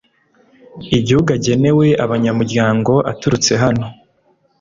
igihugu agenewe abanyamuryango aturutse hano